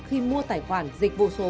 khi mua tài khoản dịch vụ số